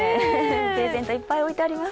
プレゼントいっぱい置いてあります。